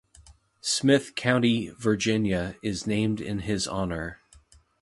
Smyth County, Virginia is named in his honor.